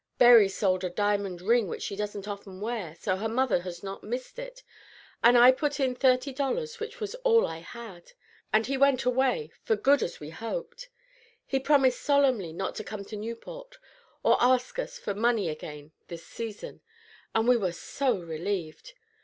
"Berry sold a diamond ring which she doesn't often wear, so her mother has not missed it, and I put in thirty dollars, which was all I had; and he went away, for good as we hoped. He promised solemnly not to come to Newport, or ask us for money again this season; and we were so relieved.